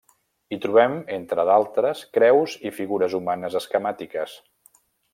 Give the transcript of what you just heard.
Hi trobem, entre d'altres, creus i figures humanes esquemàtiques.